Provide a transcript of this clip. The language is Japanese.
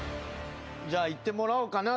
じゃあいってもらおうかな。